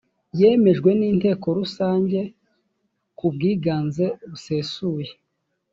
yemejwe n inteko rusange kubwiganze busesuye